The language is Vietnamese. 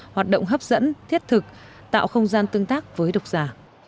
hoạt động hấp dẫn thiết thực tạo không gian tương tác với độc giả